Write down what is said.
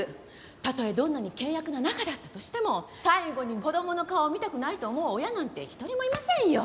たとえどんなに険悪な仲だったとしても最期に子供の顔を見たくないと思う親なんて一人もいませんよ。